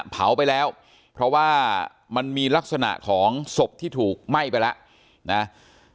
เผาไปแล้วเพราะว่ามันมีลักษณะของศพที่ถูกไหม้ไปแล้วนะ